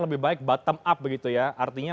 lebih baik bottom up artinya